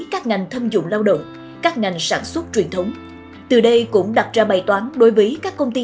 các ngành thâm dụng lao động các ngành sản xuất truyền thống từ đây cũng đặt ra bài toán đối với các công ty